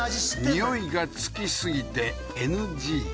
匂いがつきすぎてＮＧ